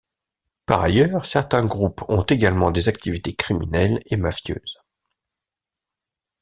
Par ailleurs certains groupes ont également des activités criminelles et mafieuses.